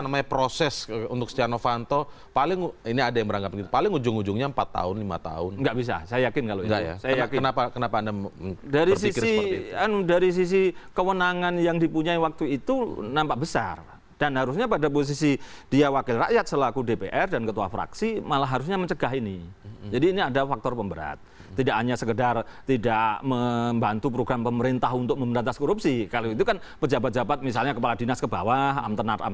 menelanjangi peran setia novanto dalam kasus korupsi ktp elektron